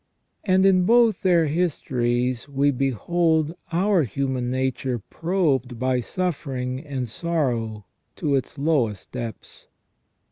And in both their histories we behold our human nature probed by. suffering and sorrow to its lowest depths.